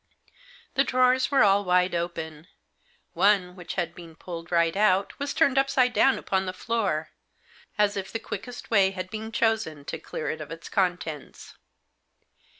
The drawers were all wide open. One, which had been pulled right out, was turned upside s* Digitized by 68 THE JOSS. down upon the floor, as if the quickest way had been chosen to clear it of its contents.